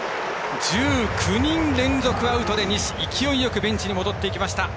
１９人連続アウトで、西勢いよくベンチに戻っていきました。